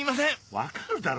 分かるだろ